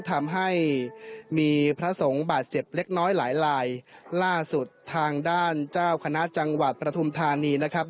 ทำให้มีพระสงฆ์บาดเจ็บเล็กน้อยหลายลายล่าสุดทางด้านเจ้าคณะจังหวัดประทุมธานีนะครับ